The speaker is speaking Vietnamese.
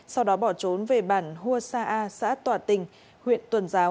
sau đó bỏ trốn về bản hua sa a xã tòa tình huyện tuần giáo cho đến thời điểm bị bắt giữ